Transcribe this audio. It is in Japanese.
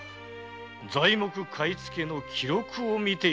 材木買い付けの記録を見ていただければ。